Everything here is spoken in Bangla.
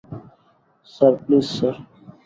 Sir, please, sir.